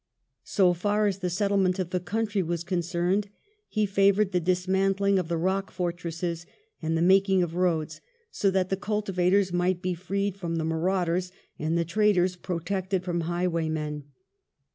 So far as the settlement of the country was concerned, he favoured the dismantling of the rock fortresses and the making of roads, so that the cultivators might be freed from the marauders and the traders protected from highwaymen.